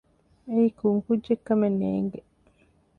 އެއީ ކޮން ކުއްޖެއްކަމެއް ނޭގެ